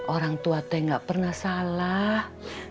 orang tua saya gak pernah salah